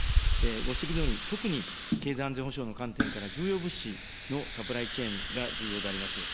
ご指摘のように、特に経済安全保障の観点から、重要物資のサプライチェーンが重要であります。